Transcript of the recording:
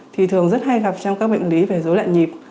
thì thường rất hay gặp trong các bệnh lý về dối loạn nhịp